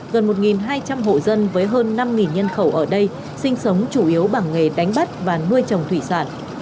gần một hai trăm linh hộ dân với hơn năm nhân khẩu ở đây sinh sống chủ yếu bằng nghề đánh bắt và nuôi trồng thủy sản